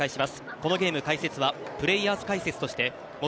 このゲーム、解説はプレイヤーズ解説として元